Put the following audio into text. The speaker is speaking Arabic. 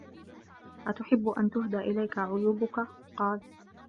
أَتُحِبُّ أَنْ تُهْدَى إلَيْك عُيُوبُك ؟ قَالَ